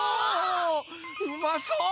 うまそう！